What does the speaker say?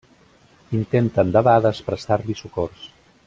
Intenten debades prestar-li socors.